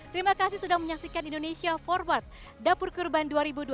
terima kasih sudah menyaksikan indonesia forward dapur kurban dua ribu dua puluh